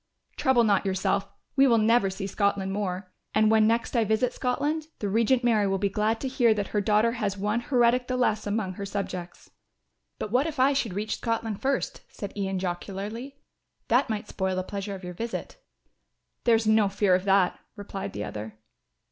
"Trouble not yourself, you will never see Scotland more; and when next I visit Scotland the Regent Mary will be glad to hear that her daughter has one heretic the less among her subjects." "But what if I should reach Scotland first," said Ian jocularly. "That might spoil the pleasure of your visit." "There is no fear of that," replied the other.